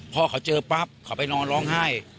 พ่อเขาเจอปั๊บเขาไปนอนร้องไห้